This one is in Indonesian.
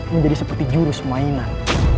menjadi seperti jurus mainan